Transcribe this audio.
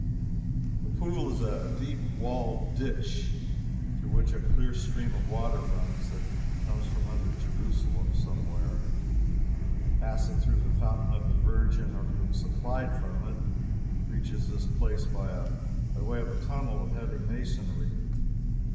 The Pool is a deep, walled ditch, through which a clear stream of water runs, that comes from under Jerusalem somewhere, and passing through the Fountain of the Virgin, or being supplied from it, reaches this place by way of a tunnel of heavy masonry.